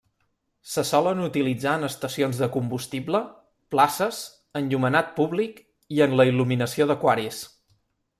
Se solen utilitzar en estacions de combustible, places, enllumenat públic i en la il·luminació d'aquaris.